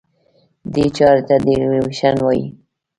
دې چارې ته Devaluation وایي.